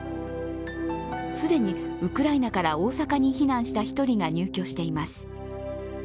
既にウクライナから大阪に避難した１人が入居しています。